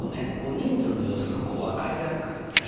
人数の様子が分かりやすくなりますね。